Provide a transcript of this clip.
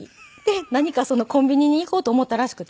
何かコンビニに行こうと思ったらしくて。